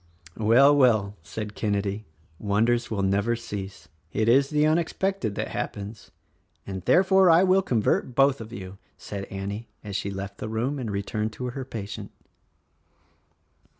"Well, well," said Kenedy — "wonders will never cease. It is the unexpected that happens —" "And therefore I will convert both of you," said Annie as she left the room and returned to her patient.